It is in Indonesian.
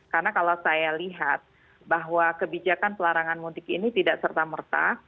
karena kalau saya lihat bahwa kebijakan pelarangan mudik ini tidak serta merta